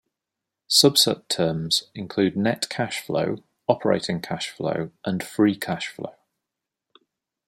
Subset terms include net cash flow, operating cash flow and free cash flow.